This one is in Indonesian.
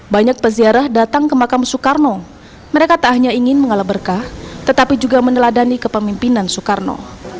banyak peziarah datang ke makam soekarno mereka tak hanya ingin mengalah berkah tetapi juga meneladani kepemimpinan soekarno